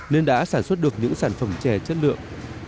nên đã sản xuất được những sản phẩm chè chất lượng